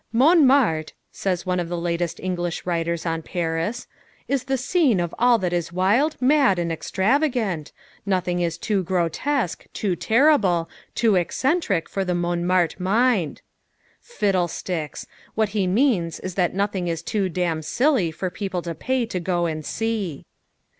"Montmartre," says one of the latest English writers on Paris, "is the scene of all that is wild, mad, and extravagant. Nothing is too grotesque, too terrible, too eccentric for the Montmartre mind." Fiddlesticks! What he means is that nothing is too damn silly for people to pay to go to see.